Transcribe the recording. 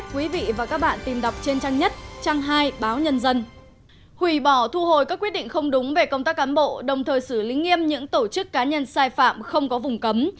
quỳ bỏ thu hồi các quyết định không đúng về công tác cán bộ đồng thời xử lý nghiêm những tổ chức cá nhân sai phạm không có vùng cấm